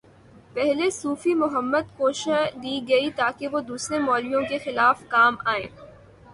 پہلے صوفی محمد کو شہ دی گئی تاکہ وہ دوسرے مولویوں کے خلاف کام آئیں۔